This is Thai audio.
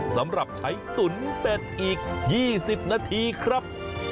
สำหรับใช้ตุ๋นเป็ดอีก๒๐นาทีครับ